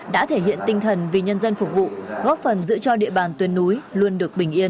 đã thể hiện tinh thần vì nhân dân phục vụ góp phần giữ cho địa bàn tuyên núi luôn được bình yên